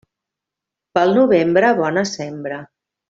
Pel novembre, bona sembra.